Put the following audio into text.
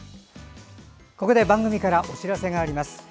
ここで番組からお知らせがあります。